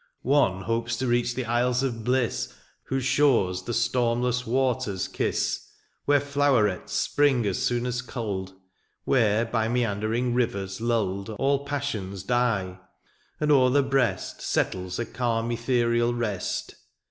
*^ One hopes to reach the isles of bliss « \Miose shores the stormless waters kiss, *' Where flowerets spring as soon as culled, " Where, by meandering rivers lulled, '* All passions die, and o^er the breast " Settles a calm ethereal rest.